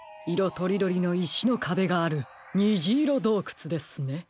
とりどりのいしのかべがあるにじいろどうくつですね。